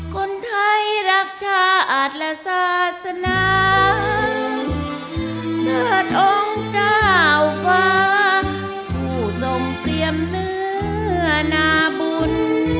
คนไทยรักชาติและศาสนาเชิดองค์เจ้าฟ้าผู้ทรงเตรียมเนื้อนาบุญ